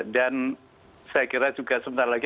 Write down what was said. dan saya kira juga sebentar lagi